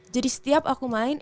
jadi setiap aku main